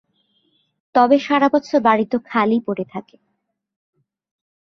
তবে সারা বছর বাড়ি তো খালিই পড়ে থাকে।